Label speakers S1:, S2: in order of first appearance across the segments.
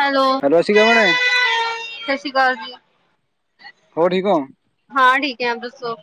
S1: Hello
S2: ਸਤਿ ਸ਼੍ਰੀ ਅਕਾਲ ਭੈਣੇ
S1: ਸਤਿ ਸ੍ਰੀ ਅਕਾਲ ਜੀ
S2: ਹੋਰ ਠੀਕ ਹੋ
S1: ਟਾਇਮ ਦੱਸੋ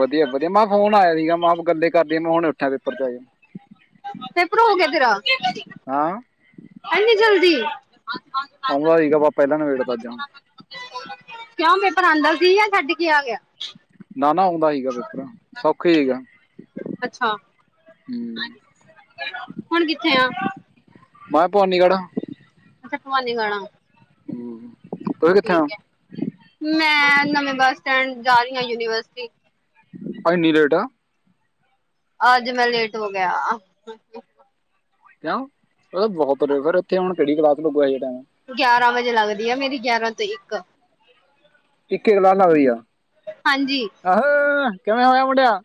S2: ਵਧੀਆ-ਵਧੀਆ ਮੈਂ ਫੋਨ ਆਇਆ ਸੀਗਾ ਮੈਂ ਗੱਲੇ ਕਰਦੀ ਮੈਂ ਹੁਣ ਉੱਠਿਆ ਪੇਪਰ ਚ ਆਏ
S1: ਤੇ ਪੇਪਰ ਹੋ ਗਿਆ ਤੇਰਾ
S2: ਹਾਂ
S1: ਇਨੀ ਜਲਦੀ
S2: ਆਉਂਦਾ ਸੀਗਾ ਵਾ ਪਹਿਲਾਂ ਨਬੇੜ ਤ ਜਾਂ
S1: ਪਰਾਂਦਾ ਸੀ ਜਾਂ ਛੱਡ ਕੇ ਆ ਗਿਆ
S2: ਨਾ-ਨਾ ਆਉਂਦਾ ਸੀਗਾ ਪੇਪਰ ਸੌਖਾ ਸੀਗਾ
S1: ਅੱਛਾ
S2: ਹ
S1: ਹੁਣ ਕਿੱਥੇ ਆ
S2: ਮੈਂ ਭਵਾਨੀਗੜ੍ਹ
S1: ਅੱਛਾ ਭਵਾਨੀ ਵਾਲਾ
S2: ਹਮ
S1: ਠੀਕ ਹੈ ਮੈਂ ਨਵੇਂ ਬੱਸ ਸਟੈਂਡ ਜਾ ਰਹੀ ਹ ਯੂਨੀਵਰਸਿਟੀ
S2: ਨੀਲੇਟਾ।
S1: ਅੱਜ ਮੈਂ ਲੇਟ ਹੋ ਗਿਆ।
S2: ਕਿਉਂ ਬਹੁਤ ਫਰ ਇੱਥੇ ਹੁਣ ਕਿਹੜ ਕਲਾਤ ਲਗਆ
S1: ਗਿਆਰਾਂ ਵਜੇ ਲੱਗਦੀ ਆ ਮੇਰੀ ਗਿਆਰਾਂ ਤੋਂ ਇੱਕ
S2: ਇੱਕ ਗਲਾ ਨਾ ਹੋਈ ਆ।
S1: ਹਾਂਜੀ
S2: ਆਹਹੋ। ਕਿਵੇਂ ਹੋਇਆ ਮੁੜਿਆ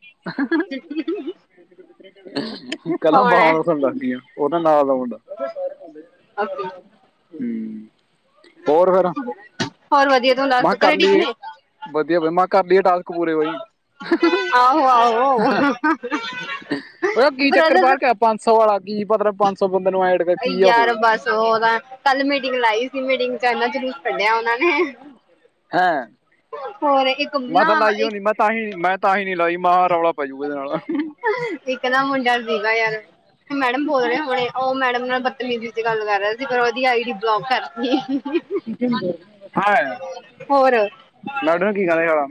S2: ਕਲਾਂ
S1: ਕੌਣ ਹੈ
S2: ਬਾਹ ਦਾਥਣਡ ਸੀਆਂ ਉਹਦਾ ਨਾਲ ਦਾ ਮੁੰਡਾ
S1: ਓਕੇ
S2: ਹਮ। ਹੋਰ ਫੇਰ
S1: ਹੋਰ ਵਧੀਆ ਤੂੰ ਦੱਸ
S2: ਮੈਂ ਕਿਹਾ ਕਰ
S1: ਘਰੇ ਠੀਕ
S2: ਲਈਏ
S1: ਨੇ
S2: ਵਧੀਆ ਬ ਮੈਂ ਕਰ ਲਈਏ ਟਕ ਪੂਰੇ ਕੋ
S1: ਆਹੋ ਆਹੋ
S2: ਉਹ ਕੀ ਚੱਕਰ
S1: ਬ੍ਰਦਰ
S2: ਪਾਾਰ ਕੇ ਪੰਜ ਸੌ ਭਾ ਕੀ ਪਤਾਲ ਪੰਜ ਸੌ
S1: ਯਾਰ ਬਸ ਉਹ ਤਾਂ ਕੱਲ ਮੇ ਲਾਈ ਸੀ ਮੀਟਿੰਗ ਚ ਇਹਨਾਂ ਜਲੂਸ ਕੱਢਿਆ ਉਹਨਾਂ ਨੇ
S2: ਹੈਂ
S1: ਹੋਰ ਇੱਕ
S2: ਮੈਂ
S1: ਨਾ
S2: ਤਾਂ ਲਾਈਓ
S1: ਇੱਕ
S2: ਨ ਮੈਂ ਤਾਂਹੀ ਮੈਂ ਤਾਂਹੀ ਨੀ ਲਾਈ। ਮ ਰੌਲਾ ਪੈ ਜੂਗਾ ਇਹਦੇ ਨਾਲ
S1: ਇੱਕ ਨਾ ਮੁੰਡਾ ਦੀਗਾ ਯਾਰ ਮੈਡਮ ਬੋਲ ਰਹੇ ਹੁਣੇ ਉਹ ਮੈਡਮ ਨਾਲ ਨ ਚ ਗੱਲ ਕਰ ਰਿਹਾ ਸੀ ਪਰ ਉਹਦੀ ਆਈ ਡੀ ਬਲੋਕ ਕਰੀ ਹੈ।
S2: ਹਾਂ
S1: ਹੋਰ
S2: ਮੈਂ ਉਹਨੂੰ ਕੀ ਕਹਿੰਦਾ ਸਾਲਾ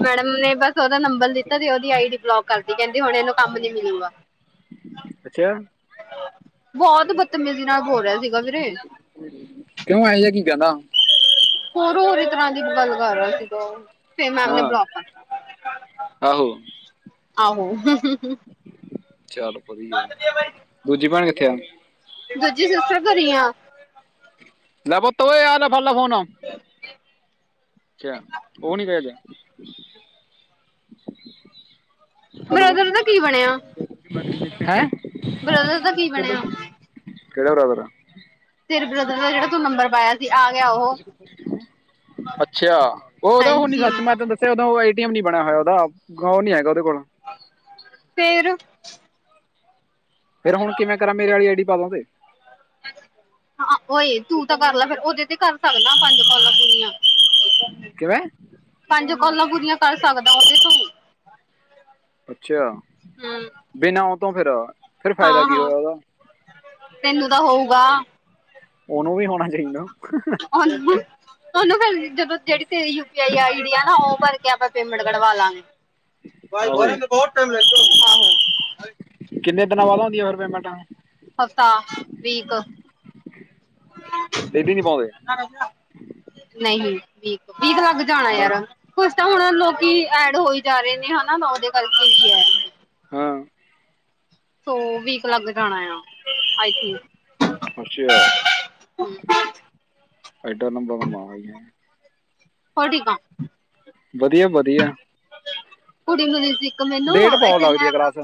S1: ਮੈਡਮ ਨੇ ਬਸ ਉਹਦਾ ਨੰਬਰ ਦਿੱਤਾ ਤੇ ਉਹਦੀ ਆਈ ਡੀ ਕਰਦੀ ਕਹਿੰਦੀ। ਹੁਣ ਇਹਨੂੰ ਕੰਮ ਨੀ ਮਿਲੂਗਾ
S2: ਅੱਛਾ।
S1: ਬਹੁਤ ਬਦਤਮੀਜ਼ੀ ਨਾਲ ਹੋੋ ਰਿਹਾ ਸੀਗਾ ਵੀਰੇ।
S2: ਕਿਉਂ ਐ ਜਾਂ ਕੀ ਕਹਿਦਾ।
S1: ਹੋਰ ਹੋਰ ਤਰ੍ਹਾਂ ਦੀ ਬਲਗਾ ਰਿਹਾ ਸੀਗਾ ਉਹ ਫ ਮਾਰ
S2: ਹਾਂ
S1: ਬਲਕ
S2: ਆਹੋ
S1: ਆਹੋ। ਹਮ ਹਮ ਹਮ।
S2: ਚੱਲ ਵਧੀਆ ਦੂਜੀ ਭੈਣ ਕਿ ਅੱਛਾ।
S1: ਦਰਜੀ ਸੱਸ ਘਰੀ ਆ।
S2: ਲੈ ਪੁੱਤ ੳ ਆ ਲੈ ਫੜਲੈ ਫੋਨ। ਹੈਲ
S1: ਬ੍ਰਦਰ ਦਾ
S2: ਹੈਂ
S1: ਬਰੋਦਰਰ ਦਾ ਕੀ ਬਣਿਆ
S2: ਕਿੜੇਿਆਰਾਰ
S1: ਤੇਰੇ ਬ੍ਰਦਰ ਦਾ ਜਿਹੜਾ ਤੂੰ ਨੰਬਰ ਪਾਇਆ ਸੀ ਆ ਗਿਆ ਉਹ
S2: ਅੱਛਾ ਉਹ ਉਦੋਂ ਹੁ ਨੀ
S1: ਹਾਂਜੀ
S2: ਸੱਚ ਮੈਂ ਤੈਨੂੰ ਦੱਸਿਆ ਦੋਂ ਨੀ ਬਿਆ ਹੋਇਆ ਉਹਦਾ ਉਹ ਨੀ ਹੈਗਾ ਉਹਦੇ ਕੋਲ
S1: ਫਰ ਹ
S2: ਫੇਿਰ ਹੁਣ ਕਿਵੇਂ ਕਰਾਂ ਮੇਰੇ ਵਾਲੀ ਆਈਡੀ ਪਾ ਦਉ ਤੇ
S1: ਹਾਂ ਓਏ ਤੂੰ ਕਰ ਲੈ ਫਿਰ ਉਹਦੇ ਤੇ ਕਰ ਸਕਦਾ ਪੰਜ ਕਾਲਾਂ ਪੂਰੀਆਂ
S2: ਕਿਵੇਂ
S1: ਪੰਜ ਕੋਲਾਂ ਕੁਰੀਆਂ ਕਰ ਸਕਦਾ ਉਹਦੇ ਤੁ
S2: ਅੱਛਾ ਬਿਨਾਂ ਉਹ ਤੋਂੋਂ ਫੇਿਰ ਫੇਿਰ
S1: ਹਾਂ
S2: ਫ਼ਾਇਦਾ ਕੀ
S1: ਹਾਂ
S2: ਹੋਇਆ ਉਹਦਾ
S1: ਤੈਨੂੰ ਤਾਂ ਹੋਊਗਾ
S2: ਉਹਨੂੰ ਵੀ ਹੋਣਾ ਚਾਹੀਦਾ
S1: ਉਹਨੂੰ ਉਹਨੂੰ ਫਿਰ ਜਦੋਂ ਜਿਹੜੀ ਤੇ ਯੂ ਪੀ ਆਈ ਆਈ ਆ ਨਾ ਉਹਰ ਮ ਕਢਵਾ ਲਾਂਗੇ ਭ
S2: ਆਹੋ
S1: ਘਰ ਬਹੁਤ ਟਾਈਮ ਲੱ
S2: ਵਰ ਪ ਮਟਗੇ
S1: ਹਫ਼ਤਾ ਵੀਕ
S2: ਡੇਲੀ ਨਹੀਂ ਪਾਉਂਦੇ
S1: ਨਹੀਂ ਵੀਕ ਵੀਕ ਲੱਗ ਜਾਣਾ
S2: ਮੈਂ
S1: ਯਾਰ ਕੁ ਤਾਂ ਹੁਣ ਲੋਕੀ ਐਡ ਹੋਈ ਜਾ ਰਹੇ ਨੇ ਹਨਾ ਉਹਦੇ ਕਰਕੇ ਵੀ ਹੈ
S2: ਹਾਂ
S1: ਸੋ ਵੀਕ ਲੱਗ ਜਾਣਾ ਆ ਆਈਕ
S2: ਅੱਛਾ ਏਡਾ ਨੰਬਰਾਂ ਦਾ ਮਾਂ ਹੈ
S1: ਹੋਡੀਕ
S2: ਵਧੀਆ ਵਧੀਆ
S1: ਕੁੜੀ ਨੂੰ ਦੇ ਸੀ ਇੱਕ ਮੈਨੂੰ
S2: ਲੇਟ ਬਹੁਉਣ
S1: ਇੱਥੇ
S2: ਲੱਗਦੀ
S1: ਮੈਂ
S2: ਹੈ ਕਲਾਸ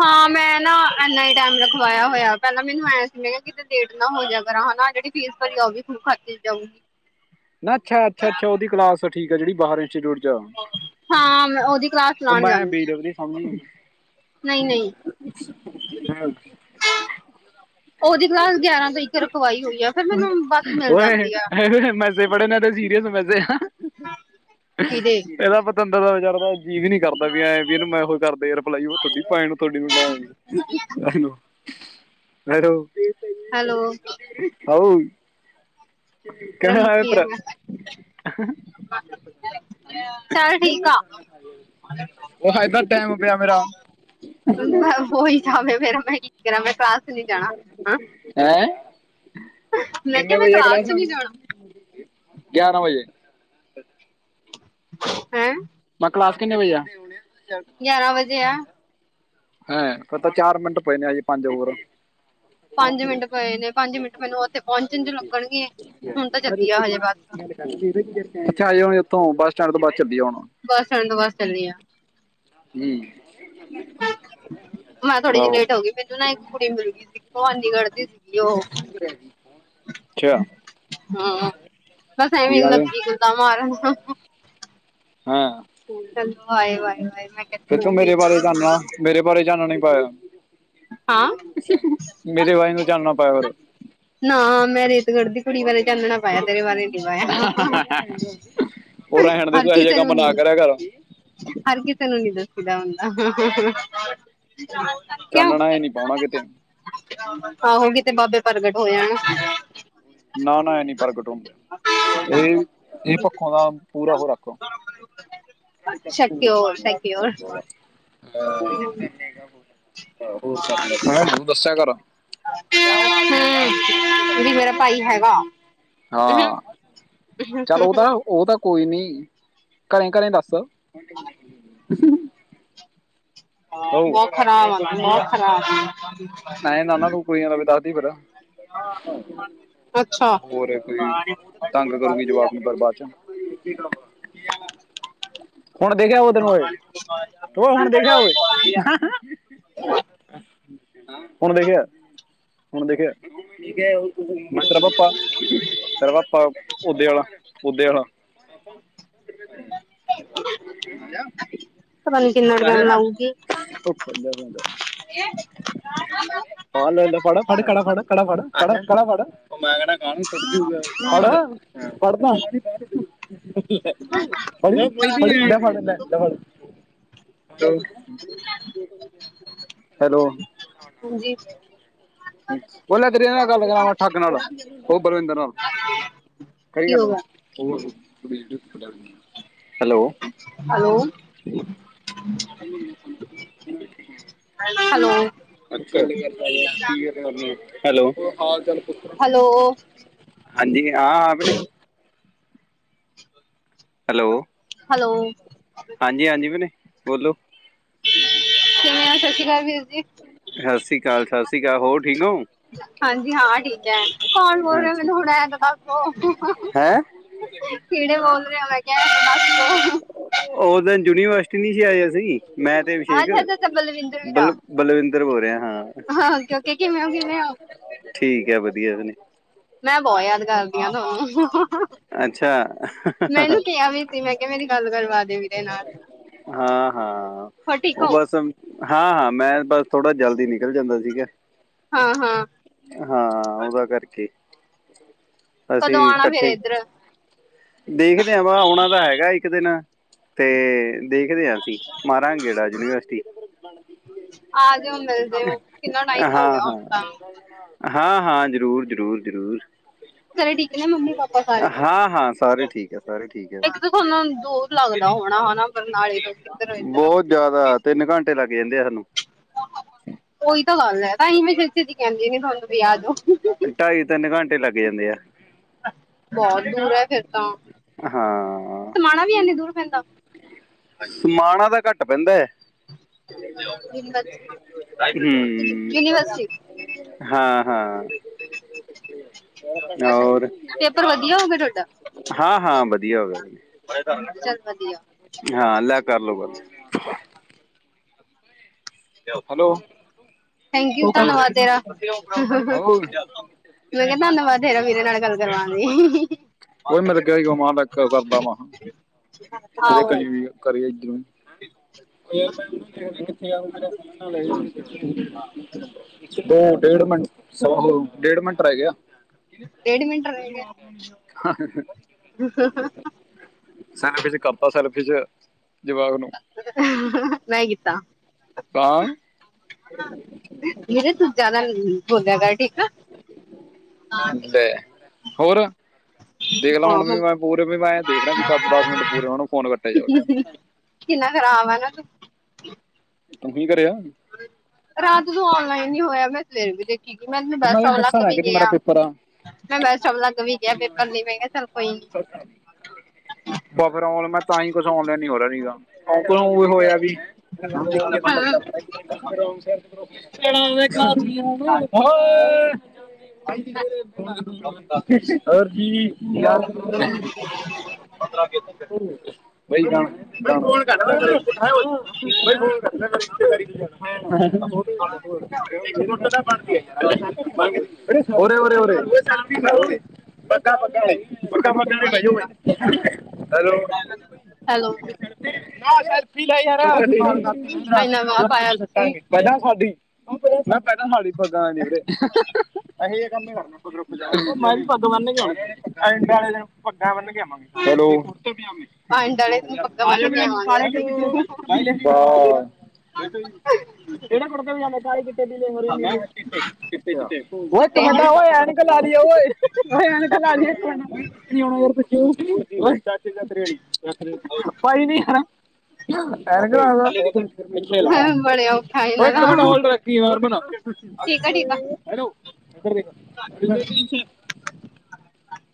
S1: ਹਾਂ ਮੈਂ ਨਾ ਇਨਾ ਹੀ ਟਾਈਮ ਲਖਵਾਇਆ ਹੋਇਆ ਪਹਿਲਾਂ ਮੈਨੂੰ ਐ ਕਿਤੇ ਲੇਟ ਨਾ ਹੋ ਜਾ ਕਰ ਜਿਹੜੀ ਫੀਸ ਭਰੀ ਉਹ ਵੀ ਖਰਚ ਜਾਊਗੀ
S2: ਨਾ ਅੱਛਾ-ਅੱਛਾ-ਅੱਛਾ ਉਹਦੀ ਕਲਾਸ ਠੀਕ ਆ ਜਿਹੜੀ [unintelligible] ੱ
S1: ਹਾਂ ਮੈਂ ਉਹਦੀ
S2: ਘੁੰਮਾਇ ਬੀ ਦੇ ਵਧੀ ਸਾਹਮਣੇ
S1: ਨਹੀਂ-ਨਹੀਂ, ਓਹਦੀ ਕਲਾਸ ਗਿਆਰਾਂ ਤੋਂ ਇੱਕ ਰਖਵਾਈ ਹੋਈ ਆ। ਫਿਰ ਮੈਨੂੰ ਬੱਸ ਮਿਲ ਜਾਂਦੀ ਆ
S2: [unintelligible] [inaudible]
S1: ਕਿਦੇ
S2: ਏਦਾ ਪ [unintelligible] ਕੀ ਵੀ ਨੀ ਕਰਦਾ ਵੀ ਐਂ ਵੀ ਇਹਨੂੰ ਮੈਂ ਕਰਦੇ ਰਿਪਲਾਈ [unintelligible] ਹੈਲੋ
S1: ਹੈਲੋ
S2: ਹਾਉ ਕਿਵੇਂ ਆਇਆ ਭਰਾ ਉਹ ਇਦਾਂ ਟਾਈਮ ਪਿਆ ਮੇਰਾ
S1: [inaudible] ਹਾਂ
S2: ਹੈਂ ਹੈ?
S1: ਮੈਂ
S2: ਕਿੰਨੇ
S1: ਕਿਹਾ ਮੈਂ
S2: ਵਜੇ ਆ ਕਲਾਸ
S1: ਚ ਨੀ ਜਾਣਾ
S2: ਗਿਆਰਾਂ ਵਜੇ
S1: ਹੈਂ?
S2: ਮੈਂ ਕਲਾਸ ਕਿੰਨੇ ਵਜੇ ਆ?
S1: ਗਿਆਰਾਂ ਵਜੇ ਆ
S2: ਹਂ, ਫ ਤਾਂ ਚਾਰ ਮਿੰਟ ਪਏ ਨੇ ਅਜੇ ਪੰਜ ਹੋਰ
S1: ਪੰਜ ਮਿੰਟ ਪਏ ਨੇ। ਪੰਜ ਮਿੰਟ ਮੈਨੂੰ ਓਥੇ ਪਹੁੰਚਣ ਚ ਲੱਗਣਗੇ। ਹੁਣ ਤਾਂ ਚੱਲੀ ਆ ਹਜੇ, ਬਸ
S2: ਤੋਂ ਬਸ ਸਟੈਂਡ ਤੋਂ, ਬਸ ਚੱਲੀਅ ਹੁਨ
S1: ਬੱਸ ਸਟੈਂਡ ਤੋਂ ਬਸ ਚਲੀਆਾਂ
S2: ਹਮ
S1: ਮੈਂ ਥੋੜੀ ਜੀ
S2: ਆਹੋ
S1: ਲੇਟ ਹੋ ਗੀ। ਮੈਨੂੰ ਨਾ ਇੱਕ ਕੁੜੀ ਮਿਲ ਗੀ ਸੀ, ਭਵਾਨੀਗੜ੍ਹ ਦੀ ਸੀਗੀ। ਉਹ,
S2: ਅੱਛਾ
S1: ਹਮ, ਬਸ
S2: ਕੀ
S1: ਐਵੇਂ
S2: ਕਹਿੰਦੇ
S1: ਲੱਗੀ ਗੱਲਾ ਮਾਰਨ
S2: ਹਾਂ
S1: ਚਲੋ ਆਏ ਵਾਏ ਵਾਏ ਮੈਂ
S2: ਫਿਰ ਤੂੰ ਮੇਰੇ ਬਾਰੇ
S1: ਕਿਹਾ
S2: ਜਾਣਨਾ, ਮੇਰੇ ਬਾਰੇ ਜਾਣਣੇ [inaudible]
S1: ਹਾਂ।
S2: ਮੇਰੇ ਵਾਈ, ਨੂੰ ਚੱਲਨਾ [inaudible]
S1: ਨਾ, ਮੈਂ ਰੇਤ ਕੱਢਦੀ ਕੁੜੀ ਬਾਰੇ ਕਨਣਾ ਪਾਇਆ, ਤੇਰੇ ਬਾਰੇ ਨੀ ਪਾਇਆ।
S2: ਉਹ ਰਹਿਣ ਦੇ
S1: ਹਰ
S2: ਤੂੰ ਇਹੋ ਜਿਹਾ
S1: ਕਿਸੇ ਨੂੰ
S2: ਕੰਮ
S1: ਨੀ,
S2: ਨਾ ਕਰਿਆ ਕਰ
S1: ਹਰ ਕਿਸੇ ਨੂੰ ਨੀ ਦੱਸੀਦਾ [inaudible] ਕਿਉਂ
S2: ਚਾਨਣਾ ਇਹ ਨੀ ਪਉਣਾ, ਕਿਤੇ
S1: ਆਹੋ, ਕੀਤੇ ਬਾਬੇ ਪ੍ਰਗਟ ਹੋਇਆ [inaudible]
S2: ਨਾ-ਨਾ ਐਨੀ ਪ੍ਰਗਟ ਹੂਂ, ਇਹ-ਇਹ ਪੱਖੋਂ ਦਾ ਪੂਰਾ ਹੋ ਰੱਖ
S1: ਸ਼ਕਿਓਰ ਸ਼ਕਿਓਰ
S2: [inaudible]
S1: ਹਮ, ਵੀ ਮੇਰਾ ਭਾਈ ਹੈਗਾ। ਹਮ
S2: ਹਾਂ। ਚੱਲ ਉਹਦਾ ਉਹ ਤਾਂ- ਕੋਈ ਨੀ ਘਰੇ-ਘਰੇ ਦੱਸ ਉਹ
S1: ਬਹੁਤ ਖਰਾਬ ਆ ਬਹੁਤ ਖਰਾਬ
S2: ਐਂ ਨਾ ਨਾ ਤੂੰ [unintelligible] [unintelligible]
S1: ਅੱਛਾ
S2: ਹੋਰ ਕੋਈ ਤੰਗ ਕਰੂਗੀ ਜਵਾਬ ਨੂੰ ਬਰਬਾਦ ਚ- ੇ [inaudible] ਹੁਣ ਦੇਖਿਆ ਉਹ ਤੈਨੂੰ ਹੋ ਉਹ ਹੁਣ ਦੇਖਿਆ ਓਏ ਹੁਣ ਦੇਖਿਆ ਹੁਣ ਦੇਖਿਆ ਦੇਖਿਆ ਓਹ [unintelligible] ਫਰਾ ਪਾਪਾ ਓਦੇ ਆਲਾ, ਓਦੇ ਆਲਾ।
S1: ਪਤਾ ਨੀ
S2: [unintelligible]
S1: ਕਿੰਨਾ ਟਾਈਮ
S2: ਦਾ
S1: ਲਾਊਗੀ
S2: ਫੜ ਕੜਾ ਫੜ ਕੜਾ ਫੜ ਕੜਾ ਫੜ ਕੜਾ ਫੜ ਫੜ ਟੁੱਟ ਜਊਗਾ ਫੜ ਫੜਦਾ [unintelligible] ੋ ਹੈਲੋ-ਹੈਲੋ
S1: ਹਾਂਜੀ।
S2: ਉਹ ਲ ਤੇਰੀ ਨਾਲ ਗੱਲ ਕਰਾਂ ਠੱਗ ਨਾਲ ਉਹ ਬਲਵਿੰਦਰ ਨਾਲ ਕਰੀ
S1: ਕੀ
S2: ਗੱਲ!
S1: ਹੋਗਾ
S2: [unintelligible] ਹੈਲੋ
S1: ਹੈਲੋ ਹੈਲੋ
S2: ੋ
S1: ਹੈਲੋ
S2: [unintelligible]
S1: [unintelligible]
S2: ਹੈਲੋ
S1: ਹੈਲੋ
S2: ਹਾਂਜੀ-ਹਾਂਜੀ ਵੀਣੇ ਬੋਲੋ- ਸਤਿ ਸ੍ਰੀ ਅਕਾਲ ਸਤਿ ਸ੍ਰੀ ਅਕਾਲ ਹੋ ਠੀਕ ਹੋ
S1: [unintelligible] ਹਾਂਜੀ ਹਾਂ ਠੀਕ ਹੈ। ਕੋਣ ਬੋਲ ਰਿਹਾ ਮੈਨੂੰ ਹੁਣ ਐ
S2: ਹੈ
S1: ਕਿਹੜੇ ਬੋਲ ਰਹੇ ਮੈਂ ਕਿਹਾ? ਦੱਸ ਦੋ
S2: ਉਹ ਦਿਨ ਯੂਨੀਵਰਸਿਟੀ ਨੀ ਸੀ ਆਏ, ।ਅਸੀਂ ਮੈਂ ਤੇ ਅਭਿਸ਼ੇਕ,
S1: ਅੱਛਾ ਅੱਛਾ ਅੱਛਾ ਬਲਵਿੰਦਰ ਵੀਰਾ
S2: ਬਲ-ਬਲਵਿੰਦਰ। ਹੋ ਰਿਹਾ।
S1: ਹਾਂ, ਕਿਉਂਕਿ ਕਿਵੇਂ ਹੋ, ਕਿਵੇਂ ਹੋ। [inaudible]
S2: ਠੀਕ ਹੈ, ਵਧੀਆ ਜੀ।
S1: ਮੈਂ ਬਹੁਤ ਯਾਦ ਕਰਦੀ ਹਾਂ, ਤੁਹਾਨੂੰ।
S2: ਅੱਛਾ
S1: ਮੈਨੂੰ ਇਹਨੂੰ ਕਿਹਾ ਵੀ ਸੀ ਮੈਂ ਕਿਹਾ ਮੇਰੀ ਗੱਲ ਕਰ- ਦੇ ਵੀਰੇ ਨਾਲ।
S2: ਹਾਂ। ਹਾਂ,
S1: ਹੋਰ ਠੀਕ
S2: ਉਹ
S1: ਹੋ
S2: ਬਸ ਹਾਂ, ਹਾਂ ਮੈਂ ਬਸ ਥੋੜ੍ਹਾ ਜਲਦੀ ਨਿਕਲ ਜਾਂਦਾ ਸੀਗਾ।
S1: ਹਾਂ-ਹਾਂ।
S2: ਹਾਂ, ਉਹਦਾ ਕਰਕੇ। ਅਸੀਂ
S1: ਕਦੋਂ ਆਉਣਾ ਫੇਰ
S2: ਇਕੱਠੇ
S1: ਇੱਧਰ
S2: ਦੇਖਦੇ ਵਾਂ, ਆਉਣਾ ਤਾਂ ਹੈਗਾ ਇੱਕ ਦਿਨ ਤੇ। ਦੇਖਦੇ ਹਾਂ ਅਸੀਂ, ਮਾਰਾਗੇ ਗੇੜਾ ਯੂਨੀਵਰਸਿਟੀ।
S1: ਆ ਜਾਓ ਮਿਲ ਜਾਇਓ ਕਿੰਨਾ ਟਾਈਮ ਹੋ ਗਿਆ ਹੁਣ
S2: ਹਾਂ-ਹਾਂ।
S1: ਤਾਂ
S2: ਹਾਂ-ਹਾਂ। ਜ਼ਰੂਰ, ਜ਼ਰੂਰ, ਜ਼ਰੂਰ।
S1: ਘਰੇ ਠੀਕ ਨੇ, ਮੰਮੀ-ਪਾਪਾ ਸਾਰੇ।
S2: ਹਾਂ ਹਾਂ ਸਾਰੇ ਠੀਕ ਹੈ ਸਾਰੇ ਠੀਕ ਹੈ
S1: ਇੱਕ ਤਾਂ ਤੁਹਾਨੂੰ ਦੂਰ ਲੱਗਦਾ ਹੋਣਾ ਹਨਾ, ਬਰਨਾਲੇ ਤੋਂ ਕਿਧਰ-ਇੱਧਰ
S2: ਬਹੁਤ
S1: ਉਹੀ-
S2: ਜ਼ਿਆਦਾ ਤਿੰਨ ਘੰਟੇ ਲੱਗ ਜਾਂਦੇ ਆ ਸਾਨੂੰ
S1: ਇਹੀ ਤਾਂ ਗੱਲ ਹੈ, ਤਾਂ ਅਸੀ ਵੀ ਛੇਤੀ-ਛੇਤੀ ਕਹਿੰਦੀ ਨਹੀਂ ਤੁਹਾਨੂੰ। ਵਿਆਹ ਦਿਓ।
S2: ਢਾਈ ਤਿੰਨ ਘੰਟੇ ਲੱਗ ਜਾਂਦੇ ਆ
S1: ਬਹੁਤ ਦੂਰ ਹੈ ਫਿਰ ਤਾਂ।
S2: ਹਾਂ।
S1: ਸਮਾਣਾ ਵੀ ਇਨੇ ਦੂਰ ਪੈਂਦਾ।
S2: ਸਮਾਣਾ ਦਾ ਘੱਟ- ਘੱਟ ਪੈਂਦਾ। ਹਮ
S1: ਯੂਨੀਵਰਸਿਟੀ।
S2: ਹਾਂ ਹਾਂ। ਹੋਰ,
S1: ਪੇਪਰ ਵਧੀਆ ਹੋ ਗਿਆ
S2: ਹਾਂ-ਹਾਂ ਵਧੀਆ ਹੋ ਗਿਆ।
S1: ਤੁਹਾਡਾ ਚੱਲ ਵਧੀਆ।
S2: ਹਾਂ, ਲੈ ਕਰ ਲੋ ਗੱਲ। ਹੈਲੋ
S1: ਥੈਂਕ-ਯੂ ਧੰਨਵਾਦ ਤੇਰਾ।
S2: ਹੈਲੋ ਉਹੀ
S1: ਮੈਂ ਕਿਹਾ ਧੰਨਵਾਦ ਤੇਰਾ ਵੀਰੇ ਨਾਲ ਗੱਲ ਕਰਵਾਨ ਲਈ
S2: ਉਹਹੀ ਮੇਰੇ ਕਿਹਾ ਮਾਂ ਦਾ ਕਰਦਾ ਵਾ [inaudible]
S1: ਆਹੋ
S2: [inaudible] [inaudible]
S1: ਹਾਂ
S2: ਦੋ ਡੇਢ ਮਿੰਟ ਸ ਡੇਢ ਮਿੰਟ ਰਹਿ ਗਿਆ
S1: ਡੇਢ ਮਿੰਟ ਰਹਿ ਗਿਆ
S2: ਸਾਨ ਪ ਸਲਪ ਚ
S1: ਨਹੀਂ ਕੀਤਾ
S2: ਤਾਂ
S1: ਵੀਰੇ ਤੂੰ ਜ਼ਿਆਦਾ ਬੋਲਿਆ ਕਰ ਠੀਕ ਆ
S2: ਲੈ ਹੋਰ ਦੇਖ ਲਾ ਹੁਣ
S1: ਆ
S2: ਵੀ ਮੈਂ ਪੂਰੇ ਵੀ ਮੈਂ ਦੇਖ ਰਿਹਾ ਵੀ ਕਦ ਮਿੰਟ ਪੂਰੇ ਹੋਣ ਫੋਨ ਕੱਟਿਆ ਜਾਵੇ
S1: ਕਿੰਨਾ ਖਰਾਬ ਆ ਤੇ ਹ
S2: ਤੁੂੰਸੀ ਕਰਿਆ [inaudible]
S1: ਰਾਤ ਨੂੰ ਔਨਲਾਈਨ ਨ ਹੋਇਆ ਮੈਂ ਸਵੇਰੇ ਵੀ ਦੇਖ ਮੈਂ
S2: ਉਹ
S1: ਬੈੱਸ
S2: ਤੈਨੂੰ
S1: ਸਟੋਪ
S2: ਦੱਸਾਂ
S1: ਲੱਗ
S2: ਨਾ
S1: ਵੀ
S2: ਕਿ ਜੀ ਮੇਰਾ
S1: ਗਿਆ
S2: ਪੇਪਰ ਆ
S1: ਮੈਂ ਬੈੱਸ ਸਟੋਪ ਲਗ ਵੀ ਗਿਆ ਪੇਪਰ ਨ ਮਹਿੰਗਾ ਚੱਲ ਕੋਈ ਨੀ
S2: ਬਸ ਫਿਰ ਆਨਲਾਈਨ ੋ [inaudible] ਔਰ ਜੀ ਕੀ ਹਾਲ ਹੈ ਪੁੱਠਾ ਹੋ ਹਾਂ ਦੁੱਡ ਤਾਂ ਬਣਦੀ ਹੋਰੇ ਹੋਰੇ ਹੋਰੇ ਹੈਲੋ
S1: ਹੈਲੋ
S2: ਨਾ ਫੀਲਈ ਯਾਰ [inaudible]
S1: ਇੰਨਾ ਵਾਹ ਪਾਇਆ ਤੁਸੀਂ।
S2: ਹ ਮੈਂ ਪਹਿਲਾਂ ਮਾੜੀ ਪਗ ਅਸੀਂ ਇਹ ਕੰਮ ਹੀ ਕਰਨਾ ਮ ਪੱਦ ਬੰਨਗੇ ਅੇ ਦਿਨ ਪੱਗਾਂ ਬੰਨ
S1: ਪੰਜ ਡਲੇ ਨੂੰ ਪੱਗਾਂ ਬੰਨ ਕੇ ਆਵਾਂਗੇ ਅਸੀਂ
S2: [inaudible] ਹੋਰ ਉਹ ਇੱਕ
S1: ਚਿੱਟੇ
S2: ਵੱਡਾ ਹੋਇਆ ਨ ਲ ਉਹ ਹੋਇਆ ਲ ਆ ਯਾਰ ਕਿ ਕਿ ਭਾਈ ਨੀ ਹੈ ਮਨ
S1: ਬੜੇ ਔਖਾ ਇਹਨਾਂ ਦਾ
S2: ਹਲਰ
S1: ਠੀਕ ਆ ਠੀਕ
S2: ਮਨ
S1: ਆ।
S2: ਹੈਲੋ ਹੈੋ